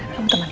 kamu temanin ya